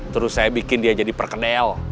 terus saya bikin dia jadi perkedel